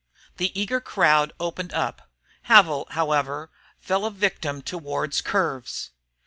The eager crowd opened up. Havil, however, fell a victim to Ward's curves.